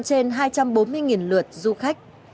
trên hai trăm bốn mươi lượt du khách